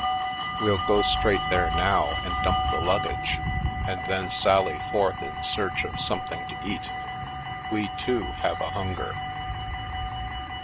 We'll go straight there now and dump the luggage, and then sally forth in search of something to eat. We, too, have a hunger.